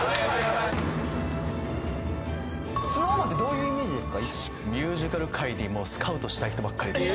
ＳｎｏｗＭａｎってどういうイメージですか？